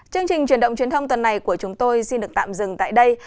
chương trình truyền động truyền thông tuần này của chúng tôi xin được tạm dừng tại đây